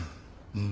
うん。